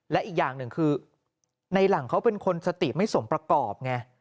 และอีกอย่างหนึ่งคือในหลังเขาเป็นคนสติไม่สมประกอบไง